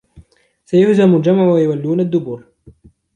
سَيُهْزَمُ الْجَمْعُ وَيُوَلُّونَ الدُّبُرَ